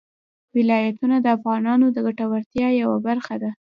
ولایتونه د افغانانو د ګټورتیا یوه برخه ده.